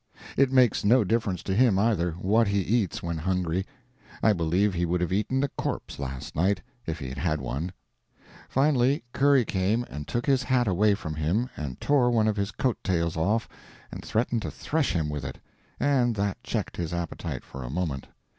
It makes no difference to him, either, what he eats when hungry. I believe he would have eaten a corpse last night, if he had one. Finally, Curry came and took his hat away from him and tore one of his coat tails off and threatened to thresh him with it, and that checked his appetite for a moment.